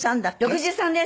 ６３です！